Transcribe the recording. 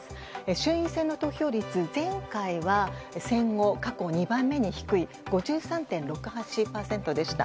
衆院選の投票率前回は、戦後過去２番目に低い５３．６８％でした。